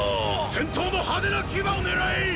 先頭の派手な騎馬を狙え！